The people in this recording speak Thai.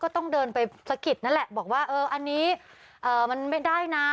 ต้องเดินไปสะกิดนั่นแหละบอกว่าเอออันนี้มันไม่ได้นะ